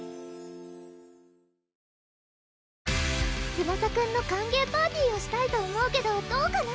ツバサくんの歓迎パーティーをしたいと思うけどどうかな？